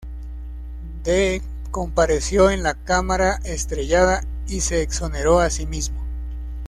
Dee compareció en la "Cámara estrellada" y se exoneró a sí mismo.